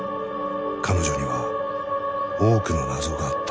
彼女には多くの謎があった。